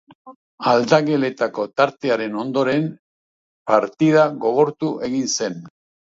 Aldageletako tartearen ondoren, partida gogortu egin zen.